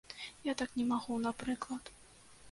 Я так не магу, напрыклад.